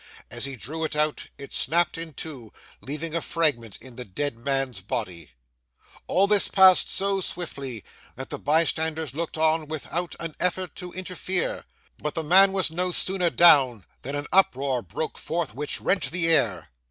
As he drew it out it snapped in two, leaving a fragment in the dead man's body. All this passed so swiftly that the bystanders looked on without an effort to interfere; but the man was no sooner down than an uproar broke forth which rent the air.